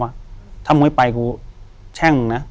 อยู่ที่แม่ศรีวิรัยิลครับ